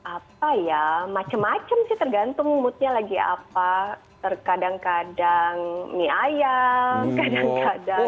apa ya macem macem sih tergantung moodnya lagi apa terkadang kadang mie ayam kadang kadang